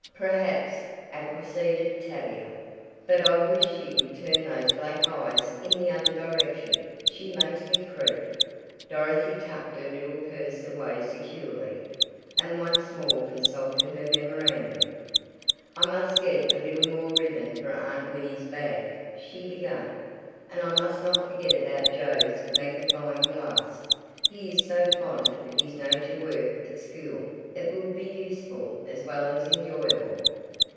"Perhaps," acquiesced Tavia. "But I wish she would turn those black eyes in the other direction. She makes me creep." Dorothy tucked her little purse away securely, and once more consulted her memorandum. "I must get a little more ribbon for Aunt Winnie's bag," she began, "and I must not forget about Joe's magnifying glass. He is so fond of his nature work at school it will be useful as well as enjoyable.